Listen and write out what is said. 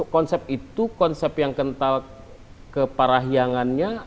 konsep itu konsep yang kental keparahangannya